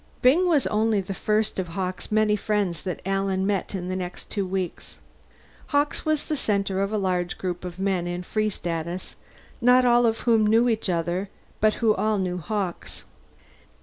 Byng was only the first of Hawkes' many friends that Alan met in the next two weeks. Hawkes was the center of a large group of men in Free Status, not all of whom knew each other but who all knew Hawkes.